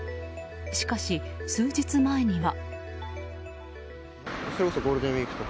しかし、数日前には。